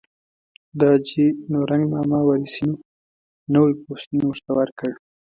د حاجي نورنګ ماما وارثینو نوی پوستین ورته ورکړ.